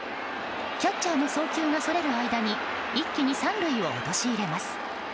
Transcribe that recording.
キャッチャーの送球がそれる間に一気に３塁を陥れます。